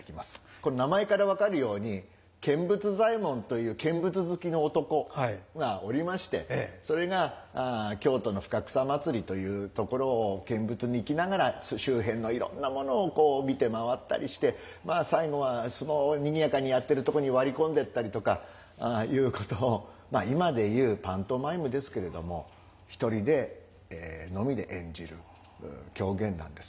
これ名前から分かるように見物左衛門という見物好きの男がおりましてそれが京都の深草祭というところを見物に行きながら周辺のいろんなものをこう見て回ったりしてまあ最後は相撲をにぎやかにやってるとこに割り込んでったりとかいうことを今で言うパントマイムですけれども一人でのみで演じる狂言なんですね。